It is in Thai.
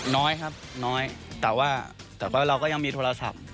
น้อยครับน้อยแต่ว่าเราก็ยังมีโทรศัพท์